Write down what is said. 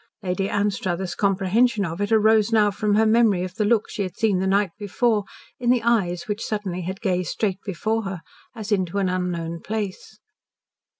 Lady Anstruthers' comprehension of it arose now from her memory of the look she had seen the night before in the eyes which suddenly had gazed straight before her, as into an unknown place.